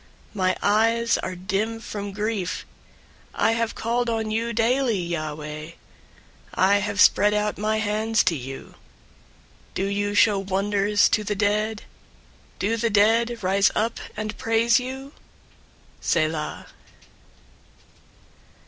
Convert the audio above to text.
088:009 My eyes are dim from grief. I have called on you daily, Yahweh. I have spread out my hands to you. 088:010 Do you show wonders to the dead? Do the dead rise up and praise you? Selah.